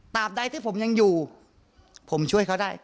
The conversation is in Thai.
ตามใดที่ผมยังอยู่ผมช่วยเขาได้